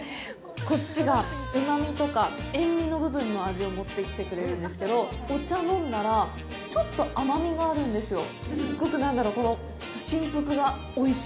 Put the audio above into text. こっちが、うまみとか塩味の部分の味を持ってきてくれるんですけど、お茶飲んだら、ちょっと甘みがあるんですよ。